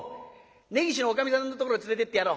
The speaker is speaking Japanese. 根岸のおかみさんのところへ連れていってやろう。